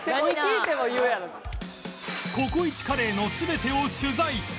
ココイチカレーの全てを取材！